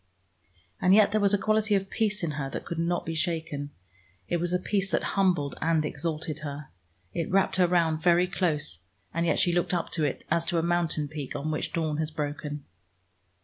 And yet there was a quality of peace in her that could not be shaken. It was a peace that humbled and exalted her. It wrapped her round very close, and yet she looked up to it, as to a mountain peak on which dawn has broken.